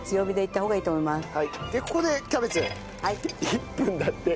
１分だって。